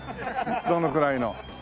どのくらいの。